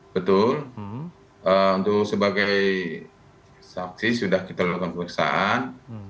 betul untuk sebagai saksi sudah kita lakukan pemeriksaan